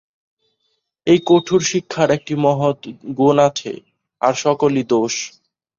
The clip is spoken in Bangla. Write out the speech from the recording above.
এই কঠোর শিক্ষার একটি মহৎ গুণ আছে, আর সকলই দোষ।